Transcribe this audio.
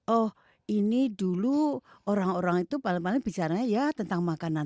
oh ini dulu orang orang itu paling paling bicaranya ya tentang makanan